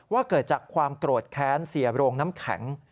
เกิดจากความโกรธแค้นเสียโรงน้ำแข็ง